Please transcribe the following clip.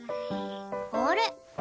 あれ？